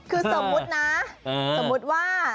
คือสมมุตินะสมมุติว่า